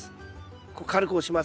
こう軽く押します。